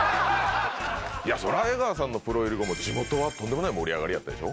それは、江川さんのプロ入り後も、地元はとんでもない盛り上がりやったでしょ？